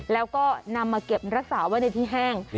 แล้วก็นำมาเก็บรักษาไว้ในที่แห้ง